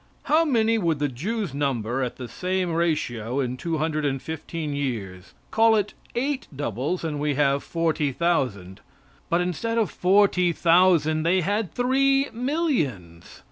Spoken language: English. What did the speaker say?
How many would the Jews number at the same ratio in two hundred and fifteen years? Call it eight doubles and we have forty thousand. But instead of forty thousand they had three millions.